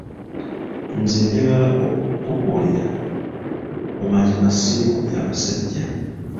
Nze njagala okukubuulira, mu mazima srli ku bya basajja.